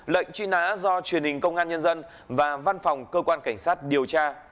lệnh truy nã do truyền hình công an nhân dân và văn phòng cơ quan cảnh sát điều tra bộ công an phối hợp thực hiện